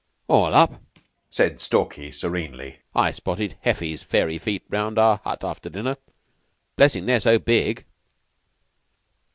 "All up," said Stalky, serenely. "I spotted Heffy's fairy feet round our hut after dinner. 'Blessing they're so big."